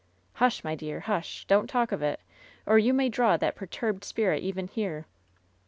"Hush, my dear. Husht Don't talk of it, or you may draw that perturbed spirit even here."